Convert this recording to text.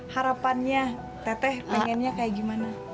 harapannya teteh pengennya kayak gimana